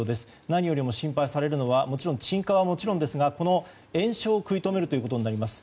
何より心配されるのは鎮火はもちろんですが延焼を食い止めることになります。